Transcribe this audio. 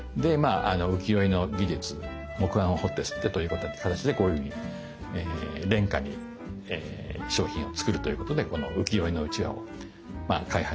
浮世絵の技術木版を彫って摺ってという形でこういうふうに廉価に商品を作るということで浮世絵のうちわを開発したようです。